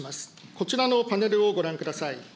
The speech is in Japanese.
こちらのパネルをご覧ください。